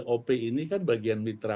op ini kan bagian mitra